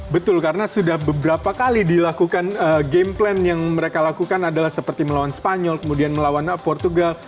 betul karena sudah beberapa kali dilakukan game plan yang mereka lakukan adalah seperti melawan spanyol kemudian melawan portugal